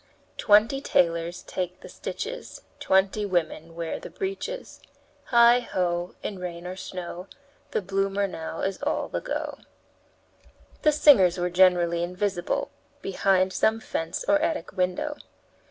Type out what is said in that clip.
Twenty tailors take the stitches, Twenty women wear the breeches. Heigh! ho! in rain or snow, The bloomer now is all the go." The singers were generally invisible behind some fence or attic window.